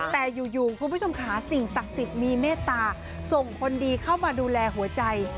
แต่อยู่คุณผู้ชมค่ะสิ่งศักดิ์สิทธิ์มีเมตตาส่งคนดีเข้ามาดูแลหัวใจ